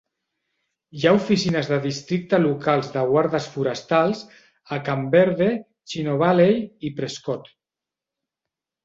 Hi ha oficines de districte locals de guardes forestals a Camp Verde, Chino Valley i Prescott.